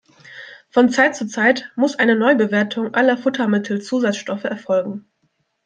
Von Zeit zu Zeit muss eine Neubewertung aller Futtermittelzusatzstoffe erfolgen.